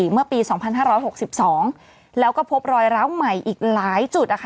เมื่อปี๒๕๖๒แล้วก็พบรอยร้าวใหม่อีกหลายจุด